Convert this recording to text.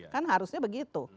kan harusnya begitu